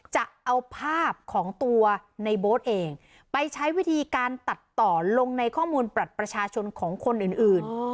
จะเอาภาพของตัวในโบ๊ทเองไปใช้วิธีการตัดต่อลงในข้อมูลบัตรประชาชนของคนอื่น